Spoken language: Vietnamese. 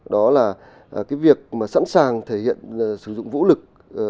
đó là cái việc mà sẵn sàng thể hiện sử dụng vũ lực